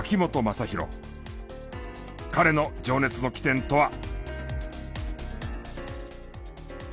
彼の情熱の起点とは。